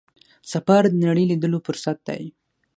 سفر د نړۍ لیدلو فرصت دی.